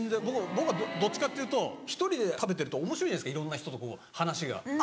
僕はどっちかっていうと１人で食べてるとおもしろいじゃないですかいろんな人とこの話が。